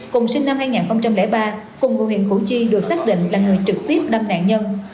cùng sinh năm hai nghìn ba cùng ngụ huyện củ chi được xác định là người trực tiếp đâm nạn nhân